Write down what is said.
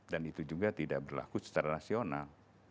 dan itu juga tidak berlaku secara nasional